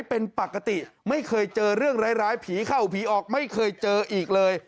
เป็นปกติไม่เคยเจอเรื่องร้ายผีเข้าผีออกไม่เคยเจออีกเลย